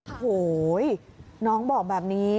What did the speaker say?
โอ้โหน้องบอกแบบนี้